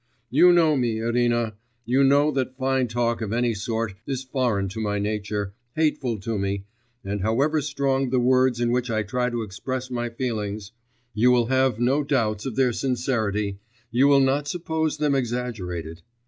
You know me, Irina; you know that fine talk of any sort is foreign to my nature, hateful to me, and however strong the words in which I try to express my feelings, you will have no doubts of their sincerity, you will not suppose them exaggerated.